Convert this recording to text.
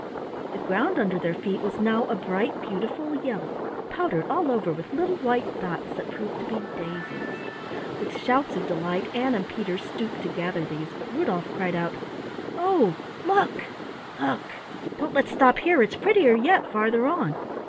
The ground under their feet was now a bright beautiful yellow, powdered all over with little white dots that proved to be daisies. With shouts of delight, Ann and Peter stooped to gather these, but Rudolf cried out: "Oh, look, look! Don't let's stop here. It's prettier yet farther on!"